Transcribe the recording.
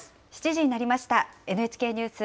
７時になりました。